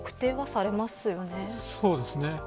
そうですね。